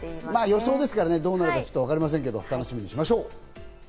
予想ですからどうなるかわかりませんけど、楽しみにしましょう。